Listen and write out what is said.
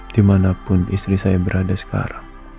dimanapun istri saya berada sekarang